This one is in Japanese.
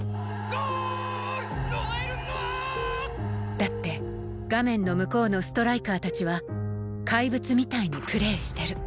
だって画面の向こうのストライカーたちはかいぶつみたいにプレーしてる